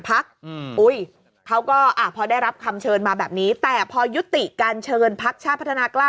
เขาก็พอได้รับคำเชิญมาแบบนี้แต่พอยุติการเชิญพักชาติพัฒนากล้า